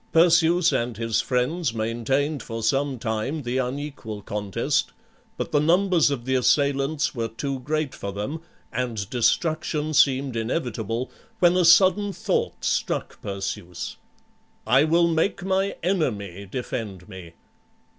Perseus and his friends maintained for some time the unequal contest; but the numbers of the assailants were too great for them, and destruction seemed inevitable, when a sudden thought struck Perseus, "I will make my enemy defend me."